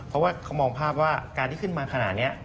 เพราะว่าเขามองภาพว่าการที่ขึ้นมาขนาดนี้